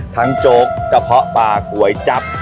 โจ๊กกระเพาะปลาก๋วยจับ